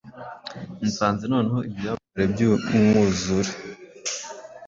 Nasanze noneho ibyamamare byumwuzure-